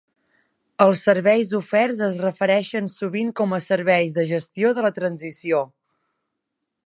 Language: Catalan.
Els serveis oferts es refereixen sovint com a serveis de gestió de la transició.